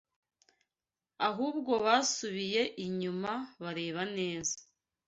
ahubwo basubiye inyuma bareba neza